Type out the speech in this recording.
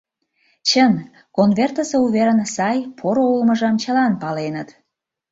Чын, конвертысе уверын сай, поро улмыжым чылан паленыт.